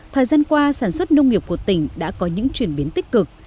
thời gian qua sản xuất nông nghiệp của tỉnh đã có những chuyển biến tích cực